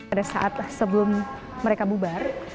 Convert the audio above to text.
pada saat sebelum mereka bubar